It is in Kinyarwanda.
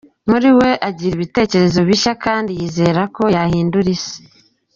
Muri we agira ibitekerezo bishya kandi yizera ko yahindura isi.